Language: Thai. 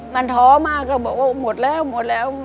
มันท้อมากก็บอกว่าหมดแล้วหมดแล้ว